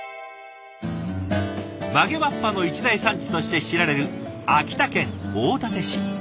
曲げわっぱの一大産地として知られる秋田県大館市。